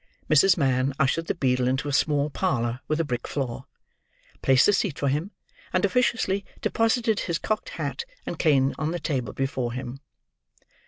Mrs. Mann ushered the beadle into a small parlour with a brick floor; placed a seat for him; and officiously deposited his cocked hat and cane on the table before him.